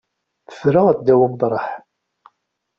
Ffreɣ ddaw umeṭreḥ.